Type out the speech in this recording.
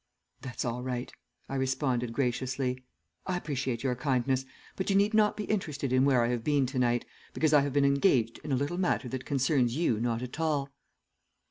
"'That's all right,' I responded graciously. 'I appreciate your kindness, but you need not be interested in where I have been to night, because I have been engaged in a little matter that concerns you not at all.'